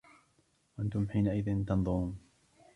وَأَنتُمْ حِينَئِذٍ تَنظُرُونَ